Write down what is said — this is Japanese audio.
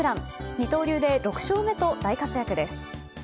二刀流で６勝目と大活躍です。